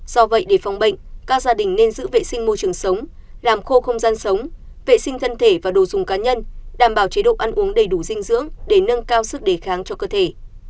do vậy để phòng bệnh các gia đình nên giữ vệ sinh môi trường sống làm khô không gian sống vệ sinh thân thể và đồ dùng cá nhân đảm bảo chế độ ăn uống đầy đủ dinh dưỡng để nâng cao sức đề kháng cho cơ thể